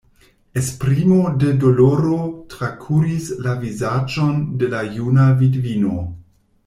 Esprimo de doloro trakuris la vizaĝon de la juna vidvino.